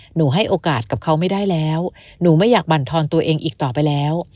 หนูให้โอกาสกับเขาไม่ได้แล้วหนูไม่อยากบรรทอนตัวเองอีกต่อไปแล้ว